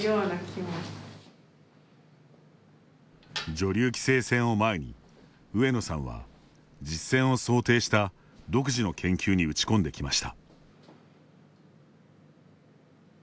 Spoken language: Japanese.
女流棋聖戦を前に上野さんは実戦を想定した独自の研究に打ち込んできました。